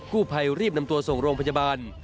ผู้ภัยรีบนำตัวส่งโรงพยาบาล